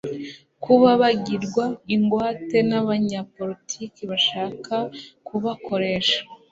kuba bagirwa ingwate n'abanyapolitiki bashaka kubakoresha